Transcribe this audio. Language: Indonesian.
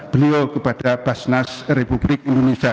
beliau kepada basnas republik indonesia